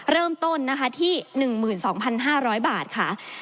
เริ่มต้นนะคะที่๑๒๕๐๐บาทค่ะ